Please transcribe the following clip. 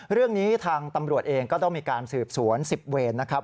เรื่องนี้ทางตำรวจเองก็ต้องมีการสืบสวน๑๐เวรนะครับ